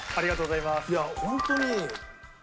いや本当に。